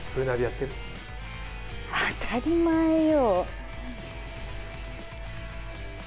当たり前よ。